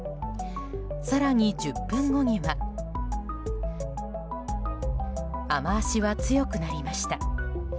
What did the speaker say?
更に１０分後には雨脚は強くなりました。